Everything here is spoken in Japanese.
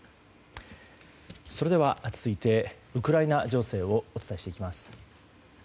それでは続いてウクライナ情勢をお伝えしていきます。